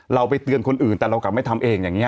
ไปเตือนคนอื่นแต่เรากลับไม่ทำเองอย่างนี้